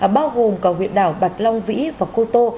bao gồm cả huyện đảo bạch long vĩ và cô tô